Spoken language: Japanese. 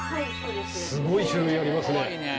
すごい種類ありますね。